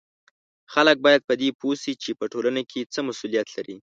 خلک باید په دې پوه سي چې په ټولنه کې څه مسولیت لري